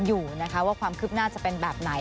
อยู่นะคะว่าความคืบหน้าจะเป็นแบบไหน